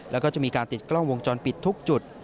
แล้วก็จะมีการติดกล้องวงจรปิดทุกจุด